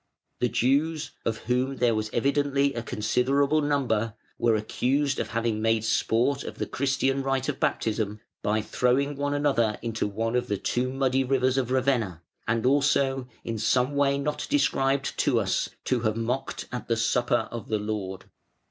The Jews, of whom there was evidently a considerable number, were accused of having made sport of the Christian rite of baptism by throwing one another into one of the two muddy rivers of Ravenna, and also, in some way not described to us, to have mocked at the supper of the Lord.